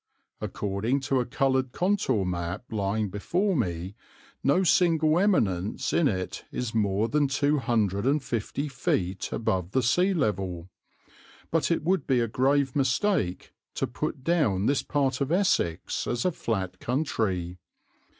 According to a coloured contour map lying before me no single eminence in it is more than two hundred and fifty feet above the sea level; but it would be a grave mistake to put down this part of Essex as a flat country.